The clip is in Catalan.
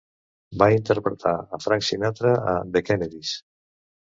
Va interpretar a Frank Sinatra a "The Kennedys".